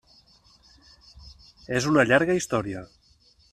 És una llarga història.